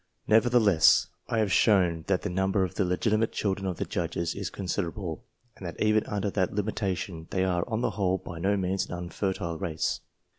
Nevertheless, I have shown that the number of the legitimate children of the Judges is considerable, and that even under that limitation, they are, on the whole, by no means an unfertile race.